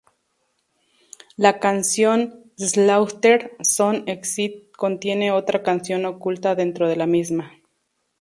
La canción "Slaughter Zone Exit" contiene otra canción oculta dentro de la misma.